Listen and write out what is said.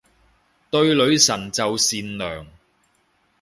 對女神就善良